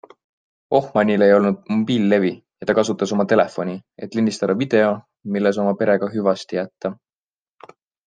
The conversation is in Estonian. Ohmanil ei olnud ka mobiililevi ja ta kasutas oma telefoni, et lindistada video, milles oma perega hüvasti jätta.